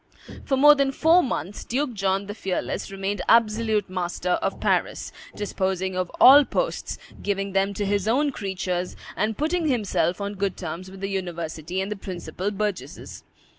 For more than four months, Duke John the Fearless remained absolute master of Paris, disposing of all posts, giving them to his own creatures, and putting himself on good terms with the university and the principal burgesses.